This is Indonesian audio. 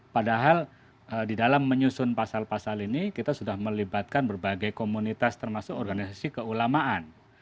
padahal di dalam menyusun pasal pasal ini kita sudah melibatkan berbagai komunitas termasuk organisasi keulamaan